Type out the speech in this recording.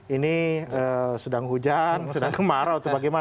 ini sedang hujan sedang kemarau atau bagaimana